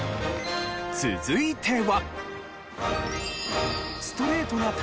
続いては。